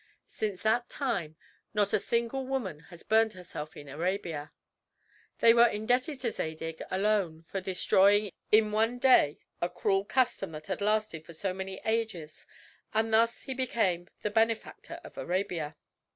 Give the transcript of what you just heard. Since that time not a single woman hath burned herself in Arabia. They were indebted to Zadig alone for destroying in one day a cruel custom that had lasted for so many ages and thus he became the benefactor of Arabia.